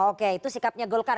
oke itu sikapnya golkar